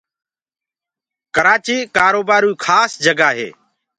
ڪرآچيٚ ڪآروبآروئيٚ کآس جگآ هي